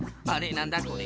なんだこれ？